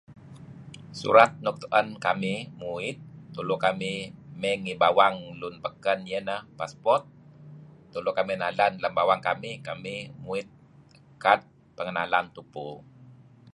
Surat nuk tu'en kamih nguit tulu kamih mey ngi bawang lun beken iyeh ineh passport, tulu kamih nalan lem bawang kamih, kamih nuit kad pengenalan tupu.